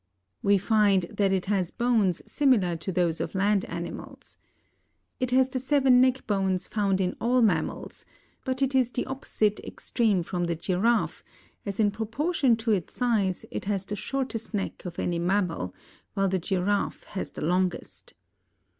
We find that it has bones similar to those of land animals. It has the seven neck bones found in all mammals, but it is the opposite extreme from the giraffe, as in proportion to its size it has the shortest neck of any mammal, while the giraffe has the longest.